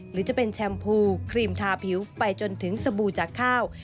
หรือจะเป็นแชมพูครีมทาผิวไปจนถึงสบู่จากข้าว